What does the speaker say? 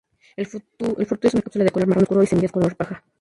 El fruto es una cápsula de color marrón oscuro y semillas de color paja.